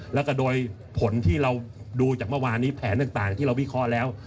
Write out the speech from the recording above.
แล้วก็โดยผลที่เราดูจากเมื่อวานนี้แผนต่างที่เราวิเคราะห์แล้ว